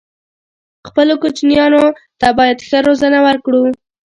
خپلو کوچنيانو ته بايد ښه روزنه ورکړو